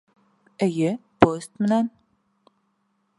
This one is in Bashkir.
Эйе, поезд менән